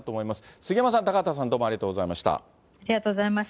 杉山さん、高畑さん、どうもありがとうございました。